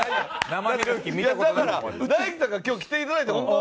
だから大毅さんに今日来ていただいてホンマ